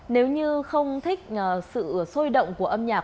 nếu như không thích sự sôi động của âm nhạc